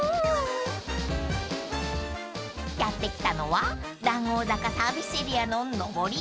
［やって来たのは談合坂サービスエリアの上り］